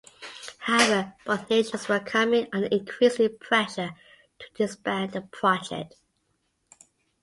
However, both nations were coming under increasing pressure to disband the project.